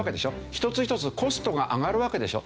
一つ一つコストが上がるわけでしょ。